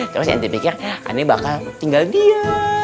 terus ente pikir aneh bakal tinggal diam